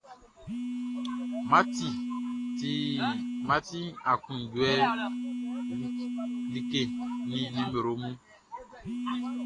Math ti aklunjuɛ like nin nimero mun.